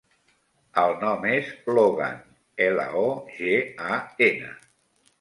El nom és Logan: ela, o, ge, a, ena.